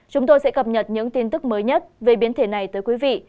chúng tôi sẽ cập nhật những tin tức mới nhất về biến thể này tới quý vị